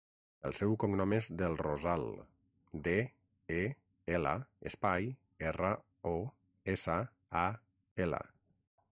El seu cognom és Del Rosal: de, e, ela, espai, erra, o, essa, a, ela.